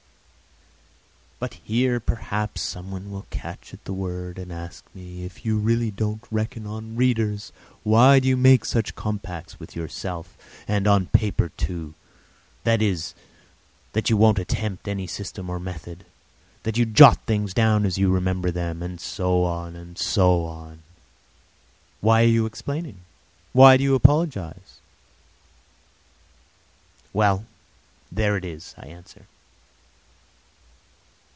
But here, perhaps, someone will catch at the word and ask me: if you really don't reckon on readers, why do you make such compacts with yourself—and on paper too—that is, that you won't attempt any system or method, that you jot things down as you remember them, and so on, and so on? Why are you explaining? Why do you apologise? Well, there it is, I answer.